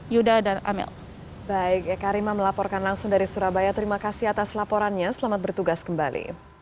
yuda dan amel